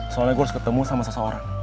soalnya gue harus ketemu sama seseorang